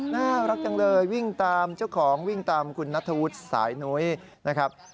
น่ารักจังเลยวิ่งตามเจ้าของวิ่งตามคุณนัทธวุฒิสายนุ้ยนะครับ